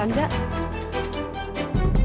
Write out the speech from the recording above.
aku gak keberatan zah